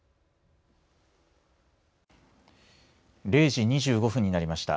０時２５分になりました。